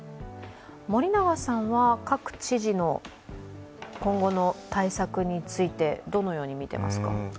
森永さんは各知事の今後の対策についてどのように見ていますか？